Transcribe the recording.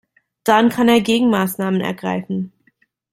Dann kann er Gegenmaßnahmen ergreifen.